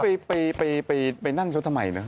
ไปนั่งเขาทำไมนะ